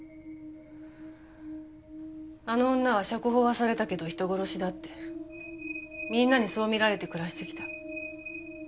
あの女は釈放はされたけど人殺しだってみんなにそう見られて暮らしてきた。